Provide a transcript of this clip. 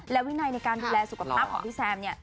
และวินัยในการดูแลสุขภาพของพี่แซมเนี่ย